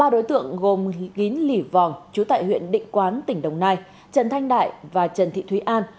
ba đối tượng gồm kín lỉ vòng chú tại huyện định quán tỉnh đồng nai trần thanh đại và trần thị thúy an